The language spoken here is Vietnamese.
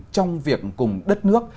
trong việc cùng đất nước